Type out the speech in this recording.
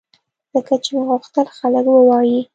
ځکه چې مې غوښتل خلک ووایي